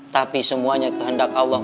tapi semuanya kehendak allah